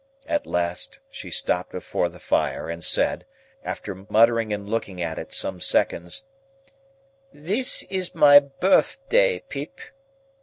At last she stopped before the fire, and said, after muttering and looking at it some seconds,— "This is my birthday, Pip."